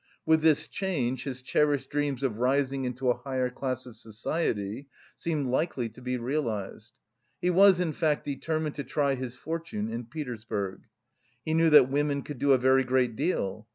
With this change his cherished dreams of rising into a higher class of society seemed likely to be realised.... He was, in fact, determined to try his fortune in Petersburg. He knew that women could do a very great deal.